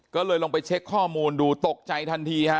ก็เลยลงไปเช็คข้อมูลดูตกใจทันทีฮะ